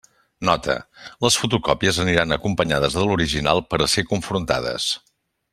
Nota: les fotocòpies aniran acompanyades de l'original per a ser confrontades.